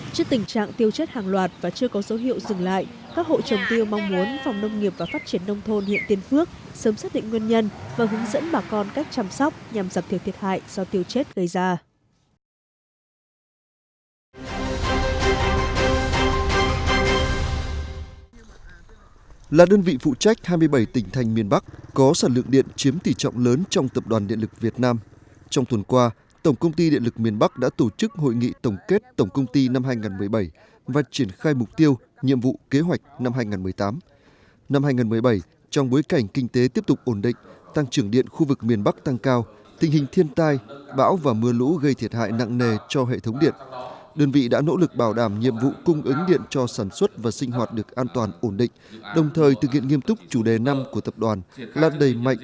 trước tình trạng tiêu chết hàng loạt và chưa có dấu hiệu dừng lại các hộ trồng tiêu mong muốn phòng nông nghiệp và phát triển nông thôn hiện tiên phước sớm xác định nguyên nhân và hướng dẫn bà con cách chăm sóc nhằm giặc thiệt thiệt hại do tiêu chết gây ra